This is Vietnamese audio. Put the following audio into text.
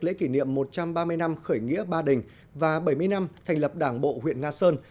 lễ kỷ niệm một trăm ba mươi năm khởi nghĩa ba đình và bảy mươi năm thành lập đảng bộ huyện nga sơn